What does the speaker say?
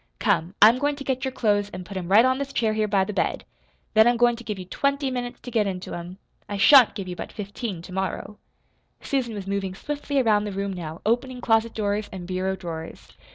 Come, I'm goin' to get your clothes an' put 'em right on this chair here by the bed; then I'm goin' to give you twenty minutes to get into 'em. I shan't give you but fifteen tomorrow." Susan was moving swiftly around the room now, opening closet doors and bureau drawers.